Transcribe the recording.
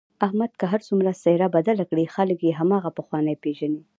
احمد که هرڅو څهره بدله کړي خلک یې هماغه پخوانی پېژني.